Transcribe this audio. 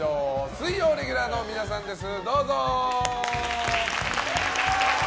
水曜レギュラーの皆さんです！